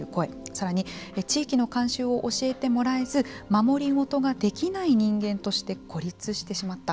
さらに地域の慣習を教えてもらえず守りごとができない人間として孤立してしまった。